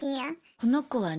この子はね